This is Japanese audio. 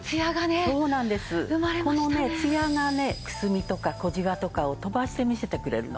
このねツヤがねくすみとか小ジワとかを飛ばして見せてくれるの。